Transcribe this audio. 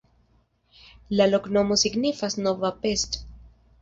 La loknomo signifas: nova Pest.